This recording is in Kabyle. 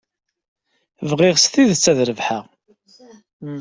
Bɣiɣ s tidet ad rebḥeɣ.